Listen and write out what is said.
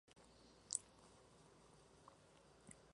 Blancas, con antifaz y capa blancas, y botonadura y cíngulo azules.